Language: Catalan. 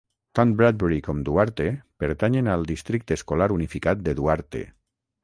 Tant Bradbury com Duarte pertanyen al districte escolar unificat de Duarte.